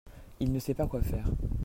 il ne sait pas quoi faire.